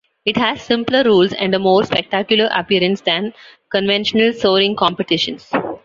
It has simpler rules and a more spectacular appearance than conventional soaring competitions.